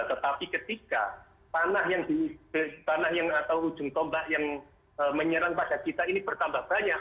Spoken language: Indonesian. tetapi ketika tanah yang atau ujung tombak yang menyerang pada kita ini bertambah banyak